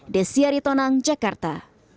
desyari tonang jakarta